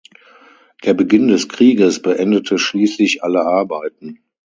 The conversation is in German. Der Beginn des Krieges beendete schließlich alle Arbeiten.